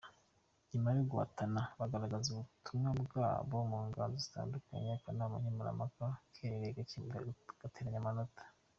Nyuma yo guhatana bagaragaza ubutumwa bwabo mu nganzo zitandukanye, akanama nkemurampaka kiherereye gateranya amanota.